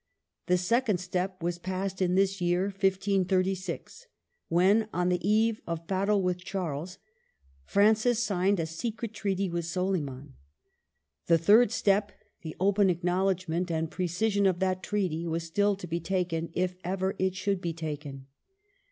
The second step was passed in this year 1536, when, on the eve of battle with Charles, Francis signed a secret treaty with Soliman. The third step, the open acknowledgment and precision of that treaty, was still to be taken, if ever it should be taken.